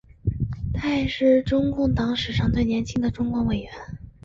他也是中共党史上最年轻的中央委员。